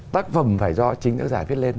tác phẩm phải do chính tác giả viết lên